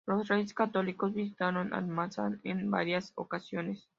Los Reyes Católicos visitaron Almazán en varias ocasiones.